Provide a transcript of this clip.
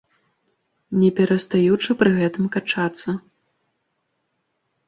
Не перастаючы пры гэтым качацца.